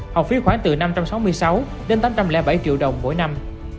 học phí khoảng từ năm trăm sáu mươi sáu đến tám trăm linh bảy triệu đồng mỗi năm